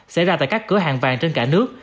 xảy ra tại các cửa hàng vàng trên cả nước